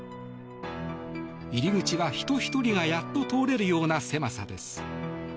入り口は人１人がやっと通れるような狭さです。